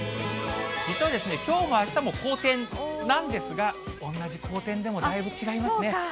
実はきょうもあしたも好天なんですが、同じこうてんでもだいぶ違そうか。